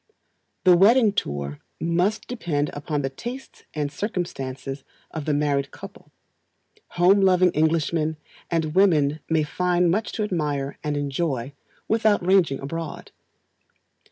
The Wedding Tour must depend upon the tastes and circumstances of the married couple. Home loving Englishmen and women may find much to admire and enjoy without ranging abroad.